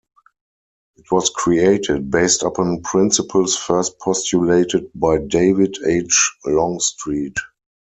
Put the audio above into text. It was created, based upon principles first postulated by David H. Longstreet.